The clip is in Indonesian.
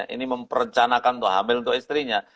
ini memperencanakan untuk hamil untuk istrinya